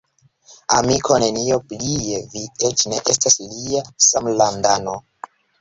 Amiko, nenio plie: vi eĉ ne estas lia samlandano.